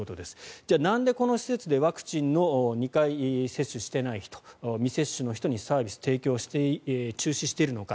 じゃあなんで、この施設でワクチンの２回接種していない人未接種の人にサービスの提供を中止しているのか。